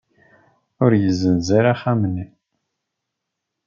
Ur yessenz ara axxam-nni.